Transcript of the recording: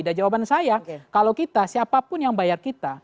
dan jawaban saya kalau kita siapapun yang bayar kita